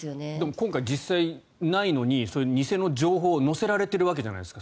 今回、実際にないのに偽の情報を載せられているわけじゃないですか。